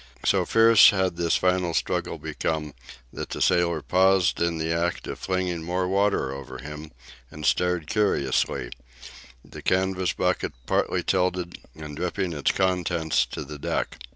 So fierce had this final struggle become that the sailor paused in the act of flinging more water over him and stared curiously, the canvas bucket partly tilted and dripping its contents to the deck.